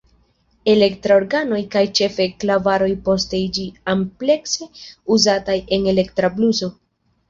Elektraj organoj kaj ĉefe klavaroj poste iĝis amplekse uzataj en elektra bluso.